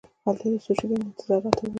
هلته یې د څو شېبو انتظار راته وویل.